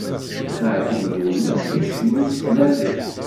Meɛṭub Lwennas icennu s tmaziɣt.